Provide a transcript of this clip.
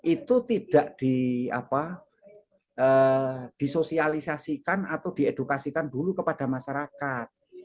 itu tidak disosialisasikan atau diedukasikan dulu kepada masyarakat